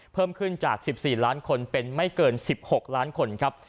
เพิ่มขึ้นจาก๑๔ล้านคนเป็นไม่เกิน๑๖ล้านคนครับ